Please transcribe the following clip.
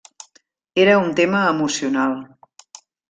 Era un tema emocional.